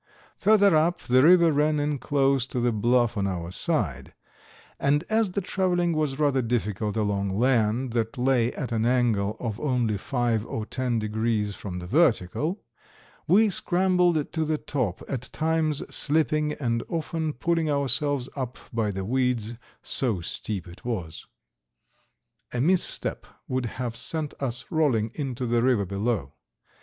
Further up the river ran in close to the bluff on our side, and as the traveling was rather difficult along land that lay at an angle of only five or ten degrees from the vertical, we scrambled to the top, at times slipping, and often pulling ourselves up by the weeds, so steep it was. A misstep would have sent us rolling into the river below.